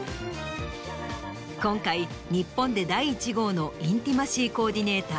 今回日本で第１号のインティマシー・コーディネーター